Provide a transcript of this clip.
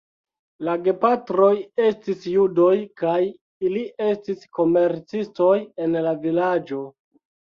La gepatroj estis judoj kaj ili estis komercistoj en la vilaĝo.